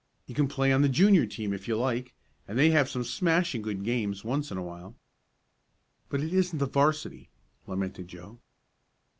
You can play on the Junior team, if you like, and they have some smashing good games once in a while." "But it isn't the 'varsity," lamented Joe.